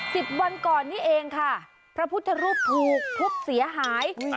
แต่๑๐วันก่อนนี่เองค่ะพระพุทธรูปพูกพบเสียหาย